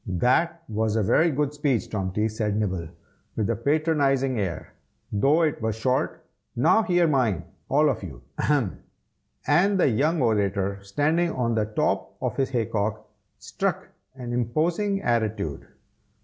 "That was a very good speech, Tomty," said Nibble, with a patronizing air, "though it was short. Now hear mine, all of you. Ahem!" and the young orator, standing on the top of his hay cock, struck an imposing attitude.